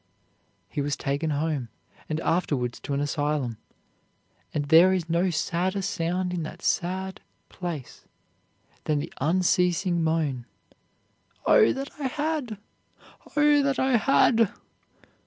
He was taken home, and afterwards to an asylum, and there is no sadder sound in that sad place than the unceasing moan, "Oh, that I had! Oh, that I had!"